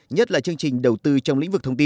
nhất là chương trình đầu tư trong lĩnh vực thông tin